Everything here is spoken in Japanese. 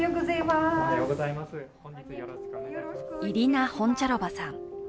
イリナ・ホンチャロヴァさん。